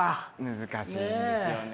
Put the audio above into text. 難しいんですよね。